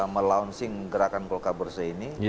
melaunching gerakan golkar bersih ini